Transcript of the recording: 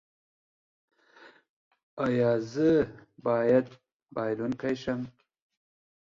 ایا زه باید بایلونکی شم؟